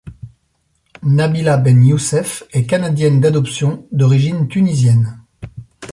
Nabila Ben Youssef est Canadienne d’adoption, d’origine Tunisienne.